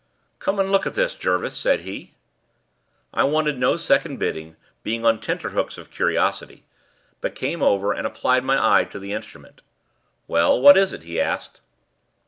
"Come and look at this, Jervis," said he. I wanted no second bidding, being on tenterhooks of curiosity, but came over and applied my eye to the instrument. "Well, what is it?" he asked.